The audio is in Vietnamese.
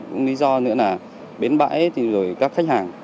cũng lý do nữa là bến bãi thì rồi các khách hàng